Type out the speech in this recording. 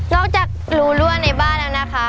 จากรูรั่วในบ้านแล้วนะคะ